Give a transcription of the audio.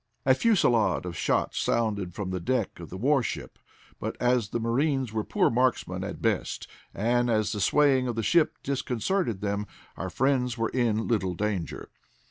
A fusillade of shots sounded from the deck of the warship, but as the marines were poor marksmen at best, and as the swaying of the ship disconcerted them, our friends were in little danger.